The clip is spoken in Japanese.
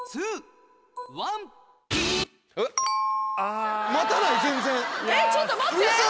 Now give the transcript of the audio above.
ピンポンえっちょっと待って。